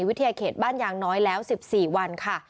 วิทยาเขตบ้านอย่างน้อยแล้ว๑๔วันค่ะ